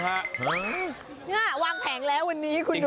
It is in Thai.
นี่วางแผงแล้ววันนี้คุณดู